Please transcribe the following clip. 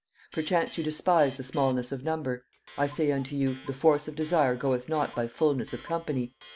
Perchance you despise the smallness of number. I say unto you, the force of Desire goeth not by fulness of company.